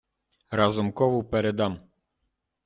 Разумкову передам.